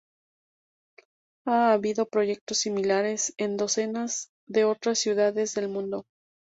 Ha habido proyectos similares en docenas de otras ciudades del mundo.